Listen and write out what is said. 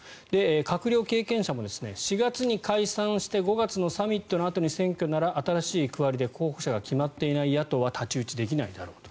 閣僚経験者も４月に解散して５月のサミットのあとに選挙なら新しい区割りで候補者が決まっていない野党は太刀打ちできないだろうと。